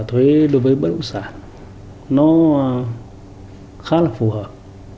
thuế đối với bất động sản nó khá là phù hợp